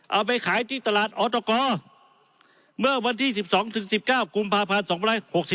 เอาไปขายที่ตลาดออตกเมื่อวันที่๑๒๑๙กุมภาพันธ์๒๖๒